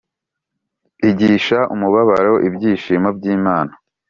igisha umubabaro ibyishimo by'imana.